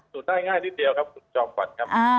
สูดได้ง่ายนิดเดียวครับสูดจอบก่อนครับ